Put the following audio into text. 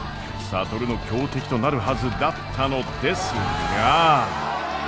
智の強敵となるはずだったのですが。